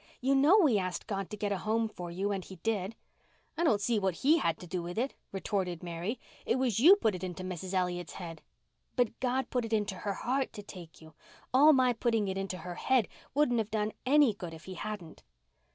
You know we asked God to get a home for you and He did." "I don't see what He had to do with it," retorted Mary. "It was you put it into Mrs. Elliott's head." "But God put it into her heart to take you. All my putting it into her head wouldn't have done any good if He hadn't."